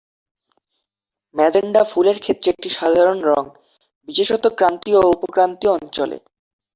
Magenta ফুলের ক্ষেত্রে একটি সাধারণ রঙ, বিশেষত ক্রান্তীয় ও উপক্রান্তীয় অঞ্চলে।